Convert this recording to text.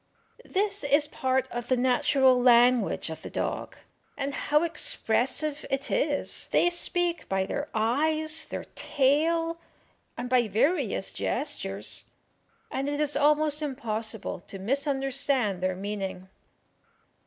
This is part of the natural language of the dog, and how expressive it is! They speak by their eyes, their tail, and by various gestures, and it is almost impossible to misunderstand their meaning.